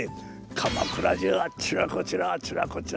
鎌倉中あちらこちらあちらこちら